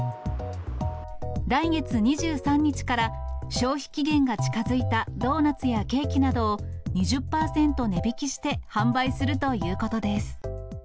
来月２３日から、消費期限が近づいたドーナツやケーキなどを、２０％値引きして販売するということです。